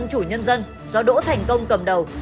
như tổ chức dân chủ nhân dân do đỗ thành công cầm đầu